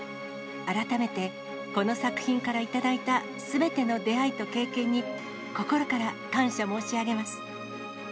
改めて、この作品から頂いたすべての出会いと経験に心から感謝申し上げます。